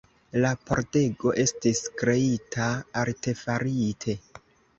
La pordego estis kreita artefarite.